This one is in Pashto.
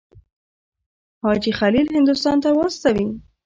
حاجي خلیل هندوستان ته واستوي.